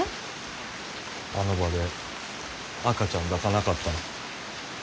あの場で赤ちゃんを抱かなかったの。